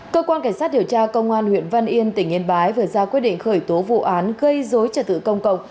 cơ quan cảnh sát điều tra công an huyện văn yên tỉnh yên bái vừa ra quyết định khởi tố vụ án gây dối trật tự công cộng